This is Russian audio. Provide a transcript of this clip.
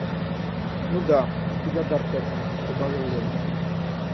Ну да, у тебя дар к этому, — прибавил Левин.